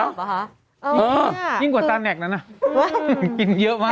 โอ้โหหยิ่งหัวตาแนกน่ะนะหึครับ